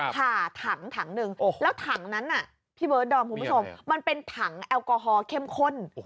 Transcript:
ผ่าถัง๑ถังแล้วถังนั้นที่เบิร์ตอห์มันมันเป็นถังแอลกอฮอล์เข้มข้น